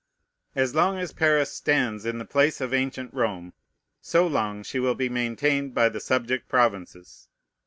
As long as Paris stands in the place of ancient Rome, so long she will be maintained by the subject provinces.